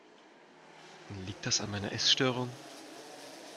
Liegt das an meiner Essstörung?